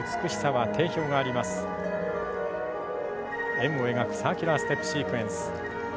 円を描くサーキュラーステップシークエンス。